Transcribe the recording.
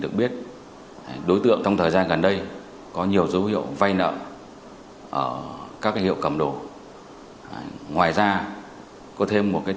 để đối tượng không được cầu thoát